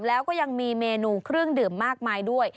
แล้วก็ยังมีเมนูเครื่องดื่มมากมายด้วย